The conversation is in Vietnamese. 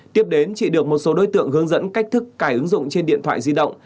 tiếp đến chị được một số đối tượng hướng dẫn cách thức cài ứng dụng trên điện thoại di động